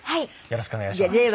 よろしくお願いします。